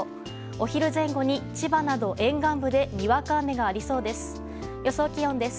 お昼前後に、千葉など沿岸部でにわか雨がありそうです。